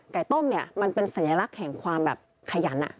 ไก่ต้มนี่มันเป็นสัญลักษณ์แห่งความขยัน